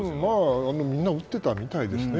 みんな打っていたみたいですね。